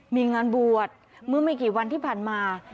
มีงานบวชเมื่อไม่กี่วันที่ผ่านมา